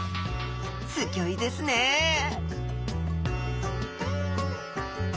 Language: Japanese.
すギョいですねはい。